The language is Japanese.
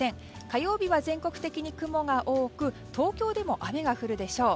火曜日は全国的に雲が多く東京でも雨が降るでしょう。